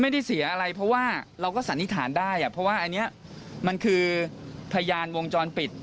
ไม่ได้เสียอะไรเพราะว่าเราก็สันนิษฐานได้เพราะว่าอันนี้มันคือพยานวงจรปิด